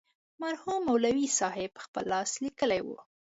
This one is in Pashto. مرحوم مولوي صاحب پخپل لاس لیکلې وه.